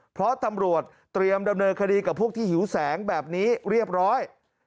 เพราะตำรวจเตรียมดำเนินคดีกับพวกที่หิวแสงแบบนี้เรียบร้อย